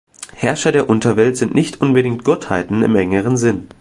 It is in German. Herrscher der Unterwelt sind nicht unbedingt Gottheiten im engeren Sinn.